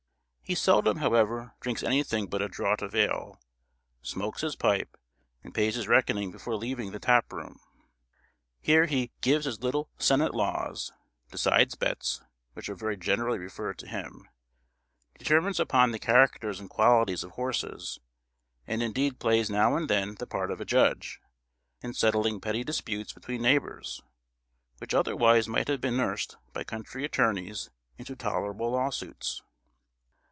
He seldom, however, drinks anything but a draught of ale; smokes his pipe, and pays his reckoning before leaving the tap room. Here he "gives his little senate laws;" decides bets, which are very generally referred to him; determines upon the characters and qualities of horses; and indeed plays now and then the part of a judge, in settling petty disputes between neighbours, which otherwise might have been nursed by country attorneys into tolerable lawsuits.